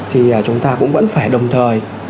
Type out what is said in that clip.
thì chúng ta cũng vẫn phải đồng thời